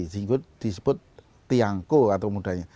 disebut tiangko atau mudanya